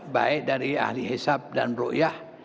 baik dari ahli hishab dan rukyah